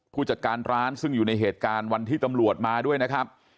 ผู้จัดการร้านซึ่งอยู่ในเหตุการณ์วันที่ตำรวจมาด้วยนะครับ